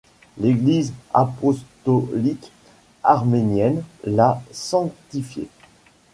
L'Église apostolique arménienne l'a sanctifié.